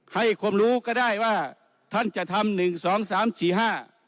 ให้ความรู้ก็ได้ว่าท่านจะทำหนึ่งสองสามสี่ห้า